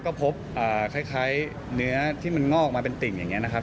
ก็พบคล้ายเนื้อที่มันงอกออกมาเป็นติ่งอย่างนี้นะครับ